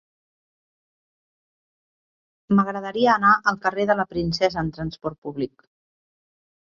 M'agradaria anar al carrer de la Princesa amb trasport públic.